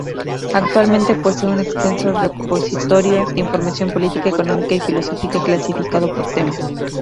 Actualmente posee un extenso repositorio de información política, económica y filosófica clasificado por temas.